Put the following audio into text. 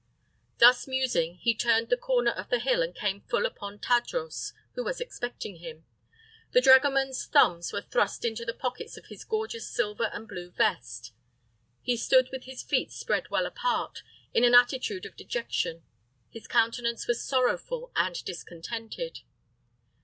Thus musing, he turned the corner of the hill and came full upon Tadros, who was expecting him. The dragoman's thumbs were thrust into the pockets of his gorgeous silver and blue vest. He stood with his feet spread well apart, in an attitude of dejection; his countenance was sorrowful and discontented.